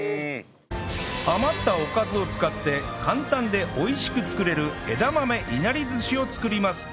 余ったおかずを使って簡単で美味しく作れる枝豆稲荷寿司を作ります